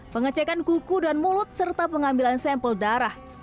pengecekan kuku dan mulut serta pengambilan sampel darah